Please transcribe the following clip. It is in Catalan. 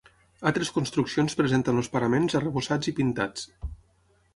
Altres construccions presenten els paraments arrebossats i pintats.